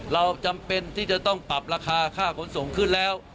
เราจำเป็นที่จะต้องปรับราคาค่าขนส่งขึ้นแล้ว